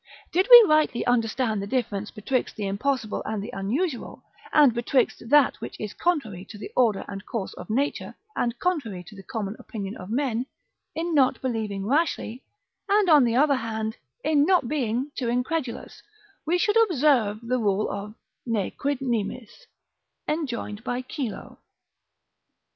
Did we rightly understand the difference betwixt the impossible and the unusual, and betwixt that which is contrary to the order and course of nature and contrary to the common opinion of men, in not believing rashly, and on the other hand, in not being too incredulous, we should observe the rule of 'Ne quid nimis' enjoined by Chilo.